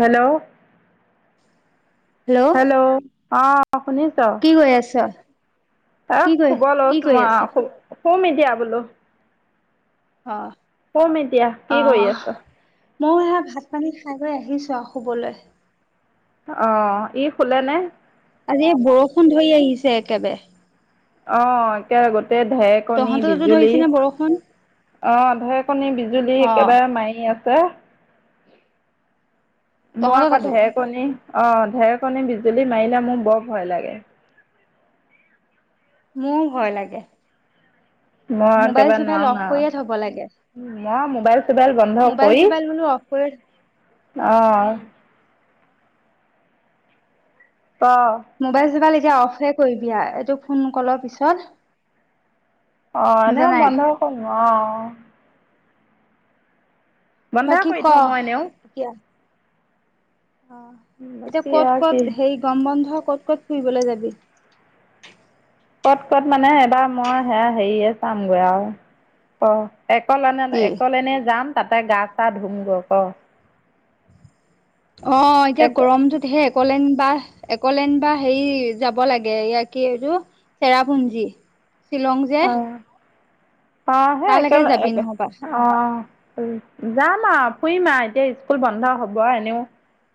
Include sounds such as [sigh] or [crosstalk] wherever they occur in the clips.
Hello hello hello অঁ শুনিছ? কি কৰি আছ? এহ কি কৰি শুব কি লৈছোঁ কৰি আছ? আওঁ শু শুম এতিয়া বোলো। অঁ' শুম এতিয়া, কি কৰি আছ? ময়ো সেয়া ভাত পানী খাই বৈ আহিছো আও শুবলে। অঁ ই শোলেনে? আজি এই বৰষুণ ধৰি আহিছে একেবাৰে। অঁ একে গোটেই ঢেক- কণী তহঁতৰ তাতো বিজুলী, ধৰিছে নে বৰষুণ? অঁ ধে কণী বিজুলী অ', একেবাৰে মাৰি আছে। ছে। মো তহঁতৰ আকৌ তাতো ধে- কণী অঁ ঢেৰকণী, বিজুলী মাৰিলে মোৰ বৰ ভয় লাগে। মোও ভয় লাগে। মই মোবাইল একেবাৰে চোবাইল নোৱাৰোং অফ কৰিয়ে থব লাগে আও। ময় মোবাইল চোবাইল বন্ধ মোবাইল কৰি চোবাইল বোলো অফ কৰি অঁ। উম, ক? মোবাইল চোবাইল এতিয়া অফহে কৰিবি আ এইটো ফোন কলৰ পিছত। অঁ বুজা এনেই নাই বন্ধ কৰিম অঁ। বন্ধ বাকী কৰি ক থওঁ মই এনেও এতিয়া? অঁ এতিয়া বাকী ক'ত আৰু কি ক'ত হেৰি গৰম বন্ধ ক'ত ক'ত ফুৰিবলে যাবি? ক'ত ক'ত মানে এবাৰ মই সেয়া হেৰিয়ে চামগৈ আৰু অ। একলেনে কি? একলেনে যাম তাতে গাঁ চা ধুমগৈ ক। অঁ এতিয়া এক গৰমটোত হে- কলেন বা একলেন বা হেৰি যাব লাগে, এয়া কি এইটো? চেৰাপুঞ্জী, শ্বিলং যে। অঁ অঁ সে তালৈকে একেল যাবি একে- নহবা অঁ অঁ যাম আও ফুৰিম আও এতিয়া স্কুল বন্ধ হ'ব এনেও।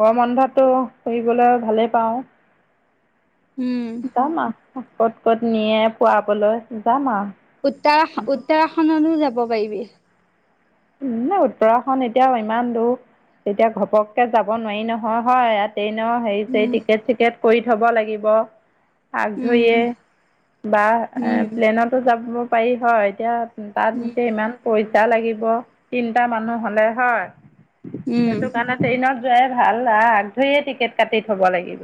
গৰম বন্ধতটো ফুৰিবলৈ ভালেই পাওঁ। উম যাম আহ ক'ত ক'ত নিয়ে ফুৱাবলৈ যাম আহ। উত্তৰা উত্তৰাখনলো যাব পাৰিবি। নে উত্তৰাখণ্ড এতিয়াও ইমান দূৰ, এতিয়া ঘপককে যাব নোৱাৰি নহয়, হয় এয়াত- ট্ৰেইনৰ হেৰি চেৰি উম টিকেট চিকেট কৰি থ'ব লাগিব। আক উম ধৰিয়ে বা এ উম প্লেনতো যাব পাৰি হয়, এতিয়া- তাত উম যে ইমান পইচা লাগিব তিনিটা মানুহ হ'লে হয়। উম সেইটো কাৰণে ট্ৰেইনত যোৱাই ভাল আ আগ ধৰিয়ে টিকেট কাটি থব লাগিব।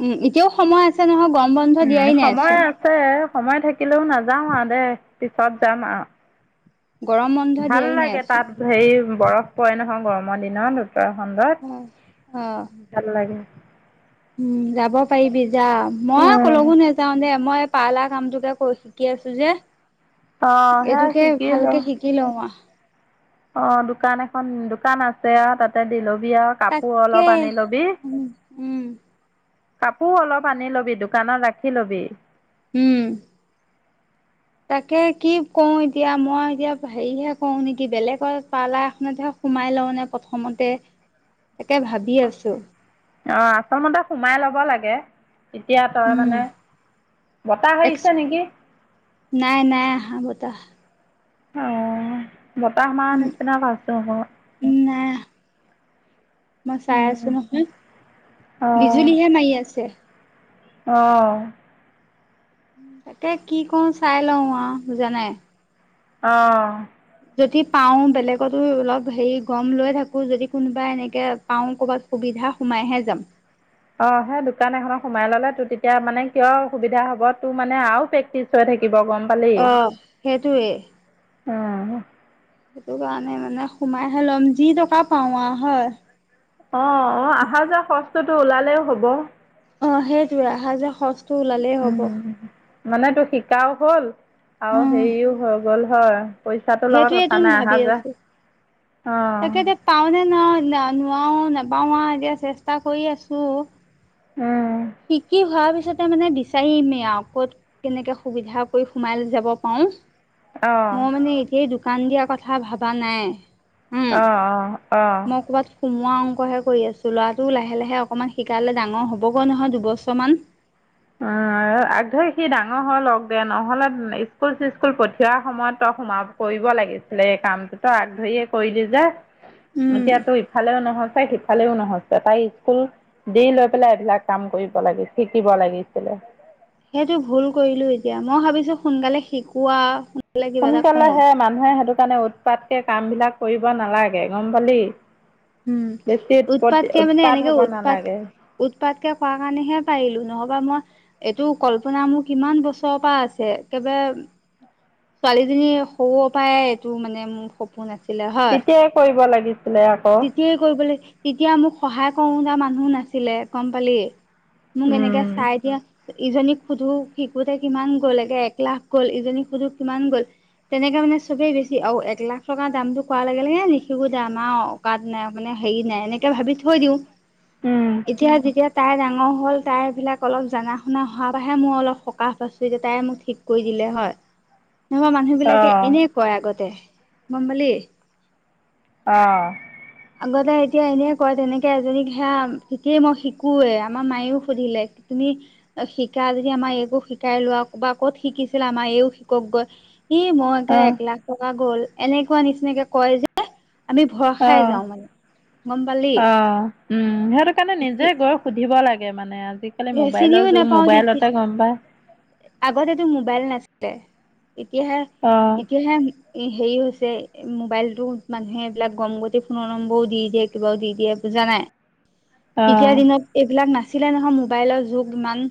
উম' এতিয়াও সময় আছ- ছে নহয় গৰম বন্ধ। উম' দিয়াই সময় নাইচোন আছে, সময় থাকিলেও নাযাওঁ আ দে পিছত যাম আও। গৰম বন্ধ ভাল দিয়াই লাগে নাইচোন তাত হেই বৰফ পৰে নহয় গৰমৰ দিনত। উত্তৰাখণ্ডত, অ অ ভাল লাগে। উম' যাব পাৰিবি যা, মই উম, কলওকো নেজ- যাওঁদে মই এই পাৰ্লা কামটোকে ক শিকি আছো যে। অ' সেই এইটোকে শিকিলো। ভালকে শিকি লওঁ আহ। অ', দোকান এখন, দোকান আছে আৰু, তাতে দিলবি আৰু। কাপোৰ তাকে অলপ আনি লবি। উম উম কাপোৰ অলপ আনি ল'বি, দোকানত ৰাখি ল'বি। উম। তাকে কি কৰোঁ এতিয়া মই এতিয়া হেৰিহে কৰোঁ নেকি বেলেগৰ পাৰ্লাৰ এখনত হে সোমাই লওঁনে প্ৰথমতে। অ [unintelligible] তাকে ভাবি আছোঁ। অ', আচল মতে সোমাই লব লাগে। এতিয়া তই উম মানে, বতাহ এক্স আহিছে নেকি? নাই, নাই আহা বতাহ। অ', বতাহ মাৰা উম নিচিনা পাইছোঁ মই। উম, নাই। মই চাই উম, আছোঁ নহয়, অ' বিজুলীহে মাৰি আছে। অ'। তাকে কি কৰোঁ, চাই লওঁ আহ, বুজানাই? অ'। যদি পাওঁ বেলেগতো অলপ হেৰি গম লৈ থাকোঁ যদি কোনোবা এনেকে পাওঁ কৰ'বাত সুবিধা সোমাইহে যাম। অ', সেই দোকান এখনত সোমাই ললে, তোৰ তেতিয়া মানে কিয় সুবিধা হ'ব, তোৰ মানে আৰু প্ৰেক্টিচ হৈ থাকিব, গম অ', সেইটোৱে। উম। সেইটো কাৰণে মানে সোমাইহে লম, যি টকা পাওঁ আৰু হয়। অ', অ', আহা যোৱা খৰচটো টো ওলালেও হ'ব। অ', সেইটোয়ে আহা যোৱা খৰচটো ওলালেই হ'ব। উম, মানে তো শিকাও হ'ল, আৰু উম, হেৰিও হৈ গ'ল হয়। পইচাটোৰ লগত কথা সেইটোৱেটোন নাই, অহা ভাবি যোৱা, অ'। পাও নে নুৱও, নুৱাও নাপাও আৰু এতিয়া চেষ্টা কৰি আছোঁ। উম। শিকি হোৱাৰ পিছতে মানে বিচাৰিমেই আৰু ক'ত কেনেকে সুবিধা কৰি সোমাই যাব পাৰোঁ। অ', মই মানে এতিয়াই দোকান দিয়া কথা ভাবা নাই। অ', উম, অ', অ'। মই ক'ৰবাত সোমোৱা অংকহে কৰি আছোঁ, ল'ৰাটো লাহে-লাহে অকণমান শিকালে ডাঙৰ হ'বগৈ দুবছৰমান। উম, আগধৰি সি ডাঙৰ হৈ লগ দে, নহ'লে স্কুল চি্কুল পঠিওৱাৰ সময়ত তই সোমাব কৰিব লাগিছিলে এই কামটোতো, তই আগ ধৰিয়ে কৰিলি যে। উম। এতিয়াতো ইফালেও নহয়চে সিফালেও নহয়চে তাই স্কুল দি লৈ পেলাই এইবিলাক কাম কৰিব লাগি শিকিব লাগিছিলে। সেইটো ভুল কৰিলোঁ এতিয়া, মই ভাবিছোঁ সোনকালে শিকোৱা। সোনকালে কিবা এটা সোনকালে কওঁ। হে মানুহে সেইটো কাৰণে উৎপাতকে কাম বিলাক কৰিব নালাগে, গম পালি? উম, বেছি উৎপত উৎপাতকে মানে, উৎপাত এনেকে হ'ব উৎপাত নালাগে উৎপাতকে কৰা কাৰণেহে পাৰিলো, নহ'বা মই এইটো কল্পনা মোৰ কিমান বছৰৰ পৰা আছে, একবাৰে ছোৱালীজনীৰ সৰু পৰাই এইটো মানে মোৰ সপোন আছিল। তেতিয়াই‌ কৰিব লাগিছিলে। আকৌ তেতিয়াই কৰিবলে তেতিয়া মোক সহায় কৰোতা মানুহ নাছিলে, গম পালি। মোক, এনেকে উম চাই দিয়া। ইজনীক সোধো শিকোতে কিমান গ'ল, একে এক লাখ গ'ল ইজনীক সোধো কিমান গ'ল? তেনেকে মানে চবেই বেছি আৰু এক লাখ টকাৰ দামটো খোৱাৰ লগে লগে নিশিকো যা, আমাৰ কাত, নাই মানে হেৰি নাই, এনেকে ভাবি থৈ দিওঁ, উম এতিয়া যেতিয়া তাইৰ ডাঙৰ হ'ল, তাইবিলাক অলপ জানা শুনা হোৱা পৰাহে মই অলপ সকাহ পাইছোঁ, এতিয়া তাই মোক ঠিক কৰি দিলে হয়। [inaudible] নহয়, অ মানুহবিলাকে এনে কয়, আগতে গম পালি। অ, আগতে এতিয়া এনে কয়, তেনেকে এজনীক সেয়া কি শিকোৱেই, আমাৰ মায়েও সুধিলে তুমি শিকা যদি আমাৰ একো শিকাই লোৱা, বা ক'ত শিকিছিলা আমাৰ এইও শিকক গৈ। ই, মইকে অ এক লাখ টকা গ'ল, এনেকুৱা নিচিনাকে কয় যে আমি ভ অ খাই যাওঁ মানে, গম পালি। অ উম, সেইটো কাৰণে নিজে গৈ সুধিব লাগে মানে, আজি কালি, মোবাইলৰ যুগ, মোবাইলতে গম পাওঁ। আগতেটো মুবাইল নাছিলে, এতিয়াহে, অ এতিয়াহে এই হেৰি হৈছে, মোবাইলটো মানুহে এইবিলাক গম গতি, ফোনৰ নম্বৰো দি দিয়ে, কিবাও দি দিয়ে বুজা নাই। অ এতিয়া দিনত এইবিলাক নাছিলে নহয়, মোবাইলৰ যুগ ইমান।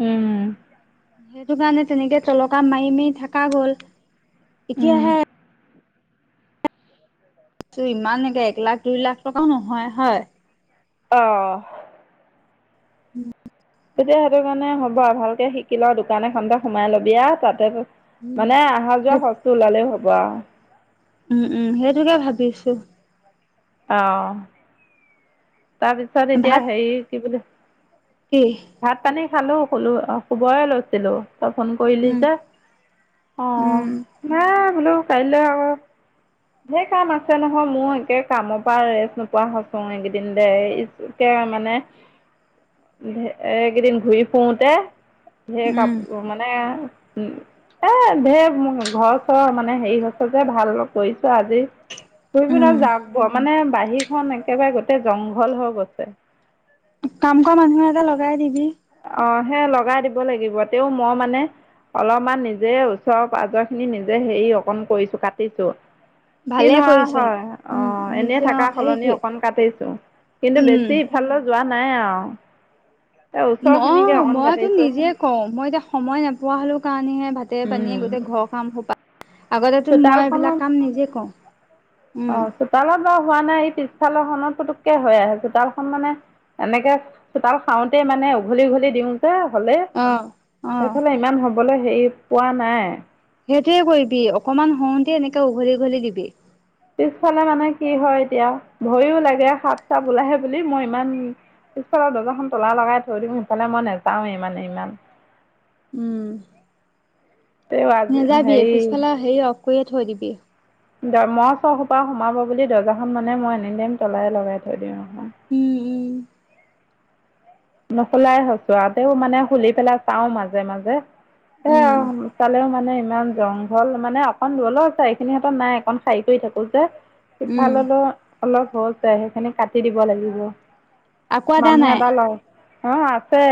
উম, সেইটো কাৰণে তেনেকে তলকা মাৰি, মাৰি, থকা গ'ল। উম এতিয়াহে ত, ইমান একে এক লাখ, দুই লাখ, টকাও নহয় হয়। অ, উম, তেতিয়া সেইটো কাৰণে হ'ব আৰু ভালকে শিকি ল, দোকান এখনতে সোমাই লবি আৰু তাতে মানে আহা যোৱা সেইটো খৰচটো ওলালেও হ'ব আৰু। উম, উম, সেইটোকে ভাবি আছো। অ, তাৰপিছত এতিয়া ভাত হেৰি কি বুলি কি? ভাত-পানী খালো শুলু অ, শুবয় এই লৈছিলো, তই ফোন কৰিলি উম যে। অ, উম নাই বোলো, কাইলৈ আকৌ। ধেৰ কাম আছে নহয়, মোৰ একে। কামৰ পৰা ৰেষ্ট নোপোৱা হৈছো, এইকেইদিন দে একে মানে। এইকেইদিন ঘূৰি ফুৰতে, ধেৰ উম কাপোৰ মানে উম, ধেৰ ঘৰ-চৰ মানে হেৰি হৈছে যে ভাল কৈছো আজি, শুই কেনে উম যাম। মানে বাহিৰখন একেবাৰে গোটেই জংঘল হৈ গৈছে। কাম কৰা মানুহ এটা লগাই দিবি। অ, সেই লগাই দিব লাগিব, তেওঁ মই মানে অলপমান নিজে ওচৰ-পাজৰ খিনি নিজে হেৰি অকণ কৰিছো কাটিছো। ভালে কিনো আৰু কৰিছ হয় অ, উম এনেই নিজে অ থকা সলনি সেইটোৱে অকন কাটিছো, কিন্তু উম বেছি সিফাললৈ যোৱা নাই আৰু। এই মই ওচৰখিনিকে অকণ মইতো নিজে কাটিছোঁ কওঁ, মই এতিয়া সময় নোপোৱা হলোঁ কাৰণেহে, ভাতে পানীয়ে গোটেই ঘৰ কাম সোপা, আগতেটোন মই এইবিলাক চোতালখনত কাম নিজে কওঁ। অ, উম চোতালত বাৰু হোৱা নাই, এই পিছফালৰখনত পুতুককে হৈ আহে, চোতালখন মানে এনেকৈ চোতাল খাওঁতেই মানে উঘলি উঘলি দিওঁ, হ'লে অ অ সেইফালে ইমান হ'বলৈ হেৰি পোৱা নাই। সেইটোয়ে কৰিবি অকনমান হওঁতে এনেকে উঘলি উঘলি দিবি। পিছফালে মানে কি হয় এতিয়া ভয়ও লাগে সাপ চাপ ওলাহে বুলি মই ইমান, পিছফালৰ দৰজাখন তলা লগাই থৈ দিম সিফালে মই নাযাও ইমানে ইমান, [unintelligible] তেও আজি নেযাবি হেৰি পিছফালে হেৰি অফ কৰিয়ে থৈ দিবি। মহ চহ সোপা সোমাব বুলি দৰ্জাখন মানে মই এনি টাইম তলাই লগাই থৈ দিওঁ আহ, উম উম, নোখোলাই হৈছো আৰু তেও মানে খুলি পেলাই চাও মাজে মাজে। সেইয়া উম। তালেও মানে ইমান জংঘল মানে অকণ দূৰলৈ এখিনি হঁত নাই অকণ- খাৰি কৰি থাকো যে, উম সিফাললৈ অলপ হৈছে সেইখিনি কাটি দিব লাগিব। আকৌ এদাল মানুহ নাই এটা ল অ আছে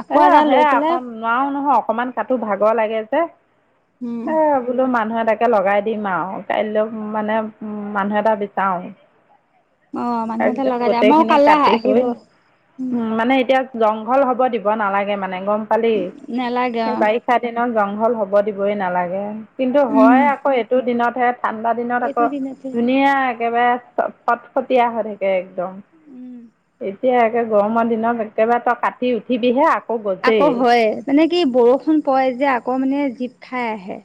আকৌ এ এদাল লৈ সেয়া পেলাই অকণ, নোৱাৰো নহয় অকমান কাটো ভাগৰ লাগে যে, উম এ বোলো মানুহ এটাকে লগাই দিম আৰু কাইলৈ মানে উ মানুহ এটা বিচাৰোঁ। অ মানুহ এটা তাৰপিছত লগাই দে গোটেই আমাৰো খিনি কাইলে কাটি আহিব। কৰি। উম মানে এতিয়া জংঘল হব দিব নালাগে গম পালি নেলাগে অ সেই বাৰি, দিনত জংঘল দিবই নালাগে কিন্তু উম হয় আকৌ এইটো দিনত হে ঠাণ্ডা- দিনত এইটো আকৌ দিনতে ধুনীয়া একেবাৰে ফট ফটীয়া হৈ থাকে। একদম উম। এতিয়া একে গৰমৰ দিনত একেবাৰে তই কাটি উঠিবিহে আ আকৌ হয় মানে কি বৰষুণ পৰে যে আকৌ মানে জীপ খাই আহে।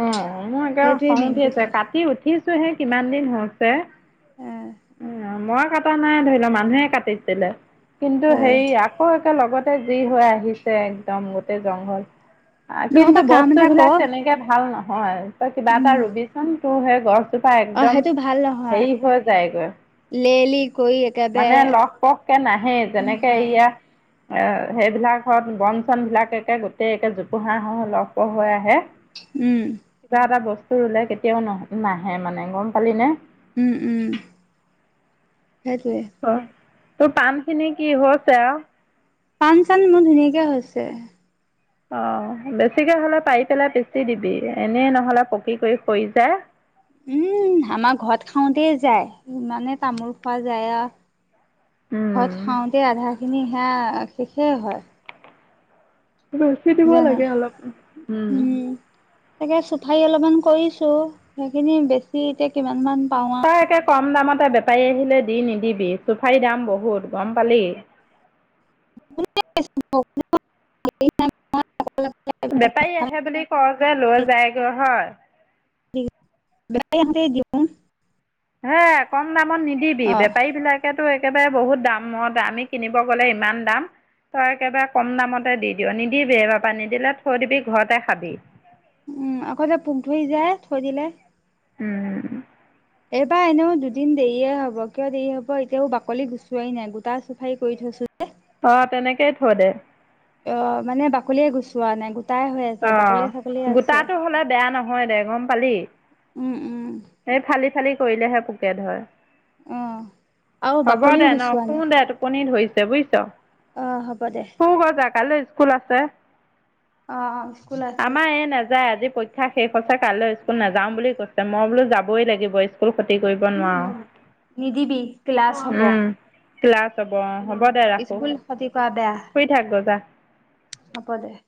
অ মোৰ একে সেইটোৱে খং মেইন উঠি আছে কথা কাটি উঠিছো সেই কিমান দিন হৈছে। আহ মই কটা নাই ধৰি ল মানুহে কাটিছিলে কিন্তু হে আহ আকৌ, লগতে যি হৈ আহিছে একদম গোটেই জংঘল। কিন্তু নহবা কাম বস্তু এটা বিলাক কৰ তেনেকে ভাল নহয় তই কিবা উম এটা ৰুবিচোন তোৰ সেই গছ, পা অ একদম সেইটো হেৰি হৈ যায়গৈ। লেৰেলি গৈ- মানে লহ পহকে নাহেই যেনেকে নহয় এয়া, এ সেইবিলাকত বন চন বিলাক একে গোটেইে জোপোহাৰ হৈ আহে ল'ব পহ হৈ আহে। উম কিবা এটা বস্তু ৰুলে কেতিয়াও ন নাহে মানে গম পালিনে। উম উম সেইটোৱে, অ তোৰ পানখিনি কি হৈছে আৰু পাণ চান মোৰ ধুনীয়াকে হৈছে। অ বেছিকে হ'লে পাৰি পেলাই পিচি দিবি এনেই নহ'লে পকি কৰি সৰি যায়। উম আমাৰ ঘৰত খাওঁতে যায় ইমানে তামোল খোৱা যায় আৰু ঘৰত উম খাওঁতে আধা খিনি সেয়া শেষেই হয়। বেচি দিব জানে লাগে অলপ উম, তাকে চুফাৰী অলপমান কৰিছো সেইখিনি বেছি এতিয়া কিমান মান পাও আৰু তই একে কম দামতে বেপাৰী আহিলে দি নিদিবি চুফাৰীৰ দাম বহুত গম পালি। [unintelligible] [unintelligible] বেপাৰী আহে বুলি কওঁ যে লৈ যায়গৈ হয়। [unintelligible] হে কম দামত নিদিবি অ বেপাৰী বিলাক কেটো একেবাৰে বহুত দাম দাম আমি কিনিব গ'লে ইমান দাম। তই একেবাৰে কম দামতে দি দিয়া, নিদিবি এইবাৰপা নিদিলে থৈ দিবি ঘৰতে খাবি। উম আকৌ যে পোক ধৰি যায় থৈ দিলে। উম উম উম। এইবাৰ এনেও দুদিন দেৰিয়ে হ'ব, কিয় দেৰি হ'ব এতিয়াও বাকলি গুচোৱাই নাই গোটা চুপাৰি কৰি থৈছো হে। অ তেনেকেই থৈ দে। অ মানে বাকলিয়ে গুচোৱা নাই, গো অ গোটাটো হ'লে বেয়া নহয় দে, গম পালি। উম উম। সেই ফালি ফালি কৰিলেহে পোকে ধৰে। অ' আৰু হ'ব বাকলিও দে ন গুচোৱা শুও নাই দে টোপনি ধৰিছে, বুজিছ। অ হ'ব দে। শুও গৈ যা কাইলৈ স্কুল আছে। অ অ স্কুল আ আমাৰ এই নেযায় আজি পৰি ক্ষা শেষ হৈছে কাইলৈ স্কুল নাযাওঁ বুলি কৈছে, মই বোলো যাবই লাগিব স্কুল ক্ষতি কৰিব নোৱাও। [unintelligible] নিদিবি ক্লাছ হ'ব। ক্লাছ হ'ব অ, হ'ব দে ৰাখো। স্কুল ক্ষতি কৰা বেয়া শুই থাক গৈ যা। হ'ব দে।